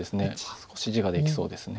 少し地ができそうです。